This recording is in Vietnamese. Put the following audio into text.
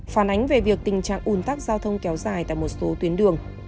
phản ánh về việc tình trạng ủn tắc giao thông kéo dài tại một số tuyến đường